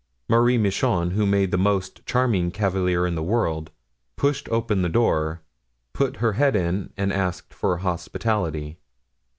Marie Michon, who made the most charming cavalier in the world, pushed open the door, put her head in and asked for hospitality.